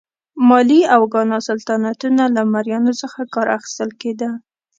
مالي او ګانا سلطنتونه له مریانو څخه کار اخیستل کېده.